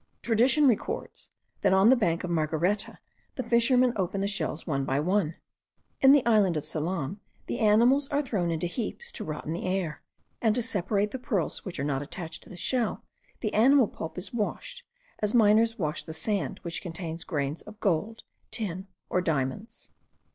Tradition records that on the bank of Margareta the fishermen opened the shells one by one: in the island of Ceylon the animals are thrown into heaps to rot in the air; and to separate the pearls which are not attached to the shell, the animal pulp is washed, as miners wash the sand which contains grains of gold, tin, or diamonds.